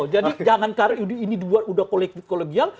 jadi jangan karena ini dua udah kolektif kologial